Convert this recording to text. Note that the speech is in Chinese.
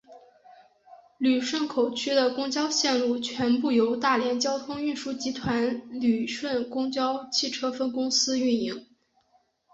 旅顺口区的公交线路全部由大连交通运输集团旅顺公交汽车分公司运营。